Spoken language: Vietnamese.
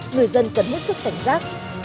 người dân cần mất sức cảnh giác